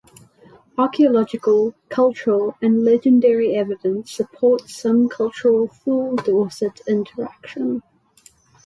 Archaeological, cultural and legendary evidence supports some cultural Thule-Dorset interaction.